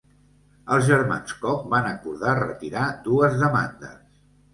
Els germans Koch van acordar retirar dues demandes.